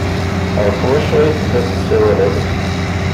Ɣef wacu ay tellid tessawaled?